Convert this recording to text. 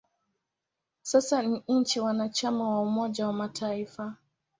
Sasa ni nchi mwanachama wa Umoja wa Mataifa.